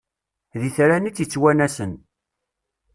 D itran i t-ittwanasen.